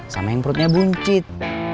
sama yang perutnya buncit